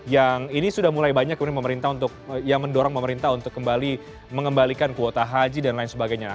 yang ini sudah mulai banyak kemudian pemerintah untuk yang mendorong pemerintah untuk kembali mengembalikan kuota haji dan lain sebagainya